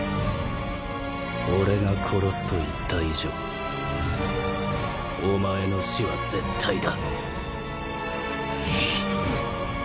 俺が殺すと言った以上お前の死は絶対だ。